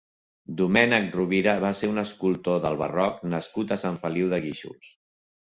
Domènec Rovira va ser un escultor del barroc nascut a Sant Feliu de Guíxols.